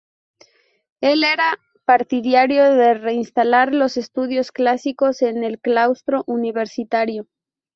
Él era partidario de reinstalar los estudios clásicos en el claustro universitario.